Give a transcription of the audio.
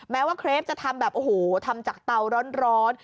แม้ว่าเครปจะทำแบบโอ้โหทำจากเตาร้อน